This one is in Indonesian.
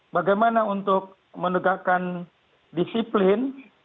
bagaimana untuk menegakkan disiplin